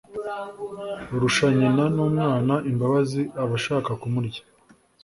Urusha nyina w'umwana imbabazi aba ashaka kumurya